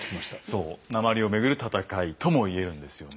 そう鉛をめぐる戦いとも言えるんですよね。